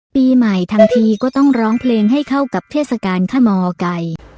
ปีใหม่ทั้งทีก็ต้องร้องเพลงให้เข้ากับเทศกาลขมไก่